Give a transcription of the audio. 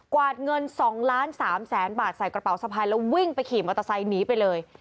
วาดเงิน๒ล้าน๓แสนบาทใส่กระเป๋าสะพายแล้ววิ่งไปขี่มอเตอร์ไซค์หนีไปเลย